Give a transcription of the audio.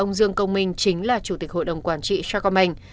ông dương công minh chính là chủ tịch hội đồng quản trị sa công banh